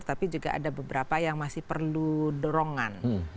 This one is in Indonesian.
tapi juga ada beberapa yang masih perlu dorongan